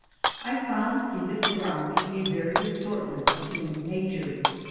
I found seated around me a varied assortment of human nature.